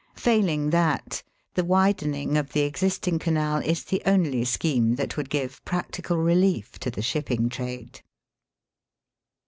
Failing that, the widening of the existing Canal is the only scheme that would give practical relief to the shipping trade.